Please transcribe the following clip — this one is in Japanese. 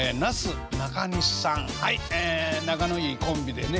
仲のいいコンビでね